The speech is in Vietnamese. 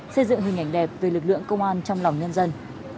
xây dựng hình ảnh đẹp về lực lượng công an trong lòng nhân dân